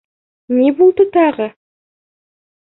Ни булды тағы?